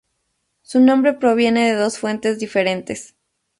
Su nombre proviene de dos fuentes diferentes.